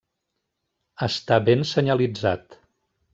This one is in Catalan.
Està ben senyalitzat.